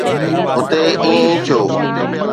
هتي ائين ئي ٿيو.